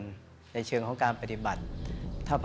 ในการจะการปฏิบัติแสดงนี้